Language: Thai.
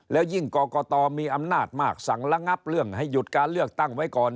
แล้วยิ่งกรกตมีอำนาจมากสั่งระงับเรื่องให้หยุดการเลือกตั้งไว้ก่อน